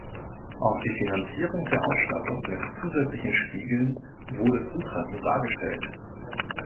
Auch die Finanzierung der Ausstattung mit zusätzlichen Spiegeln wurde zutreffend dargestellt.